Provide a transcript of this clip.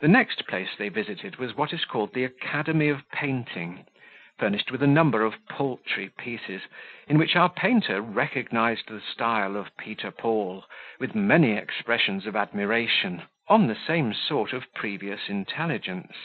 The next place they visited was what is called the Academy of Painting, furnished with a number of paltry pieces, in which our painter recognised the style of Peter Paul, with many expressions of admiration, on the same sort of previous intelligence.